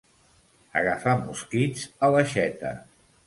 Agafar mosquits a l'aixeta.